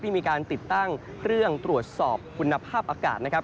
มีการติดตั้งเครื่องตรวจสอบคุณภาพอากาศนะครับ